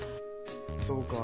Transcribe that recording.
そうか。